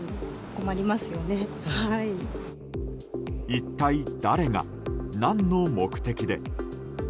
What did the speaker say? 一体、誰が何の目的で？